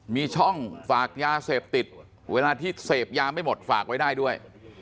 มีช่องฝากยาเสพติดเวลาที่เสพยาไม่หมดฝากไว้ได้ด้วย